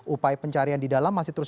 upaya pencarian di dalam masih terus